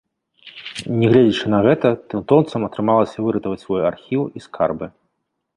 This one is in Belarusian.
Нягледзячы на гэта, тэўтонцам атрымалася выратаваць свой архіў і скарбы.